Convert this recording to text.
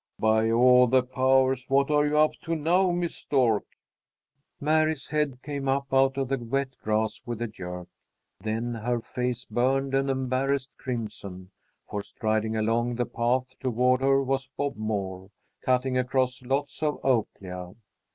"By all the powers! What are you up to now, Miss Stork?" Mary's head came up out of the wet grass with a jerk. Then her face burned an embarrassed crimson, for striding along the path toward her was Bob Moore, cutting across lots from Oaklea.